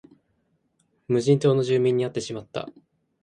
無人島の住民に会ってしまった